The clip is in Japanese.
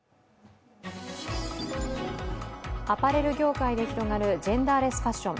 アパレル業界で広がるジェンダーレスファッション。